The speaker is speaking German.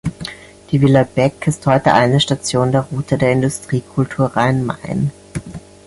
Die Villa Beck ist heute eine Station der Route der Industriekultur Rhein-Main.